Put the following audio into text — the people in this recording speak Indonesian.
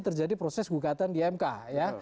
terjadi proses gugatan di mk ya